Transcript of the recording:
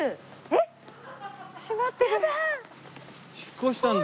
引っ越したんだよ。